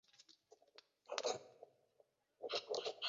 Se puede usar casi cualquier carácter con cualquier significado.